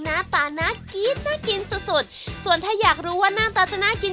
หน้าตาน่ากินน่ากินสุดสุดส่วนถ้าอยากรู้ว่าหน้าตาจะน่ากิน